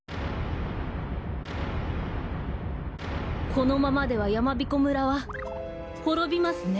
このままではやまびこ村はほろびますね。